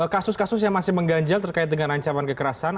kasus kasus yang masih mengganjal terkait dengan ancaman kekerasan